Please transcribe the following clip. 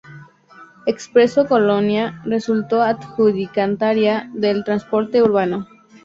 Expreso Colonia resultó adjudicataria del Transporte Urbano.